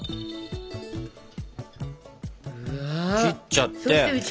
切っちゃって。